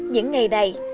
những ngày này